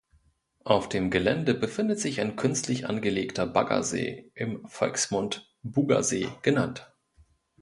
Auf dem Gelände befindet sich ein künstlich angelegter Baggersee, im Volksmund "Buga-See" genannt.